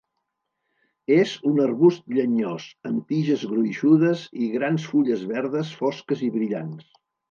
És un arbust llenyós amb tiges gruixudes i grans fulles verdes fosques i brillants.